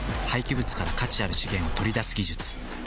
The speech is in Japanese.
廃棄物から価値ある資源を取り出す技術